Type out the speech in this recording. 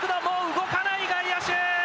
動かない、外野手。